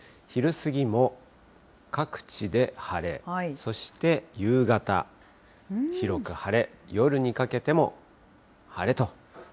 昼過ぎも、各地で晴れ、そして夕方、広く晴れ、夜にかけても晴れと。